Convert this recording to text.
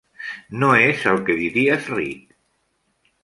No és el que diries ric.